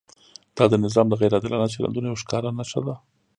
دا د نظام د غیر عادلانه چلندونو یوه ښکاره نښه ده.